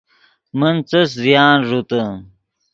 من څس زیان ݱوتے